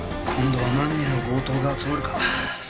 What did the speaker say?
今度は何人の強盗が集まるか？